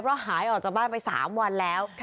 เพราะหายออกจากบ้านไป๓วันแล้ว